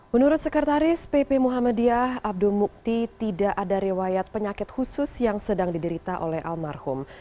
menurut sekretaris pp muhammadiyah abdul mukti tidak ada riwayat penyakit khusus yang sedang diderita oleh almarhum